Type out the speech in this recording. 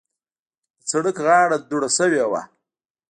د سړک غاړه دوړه شوې وه.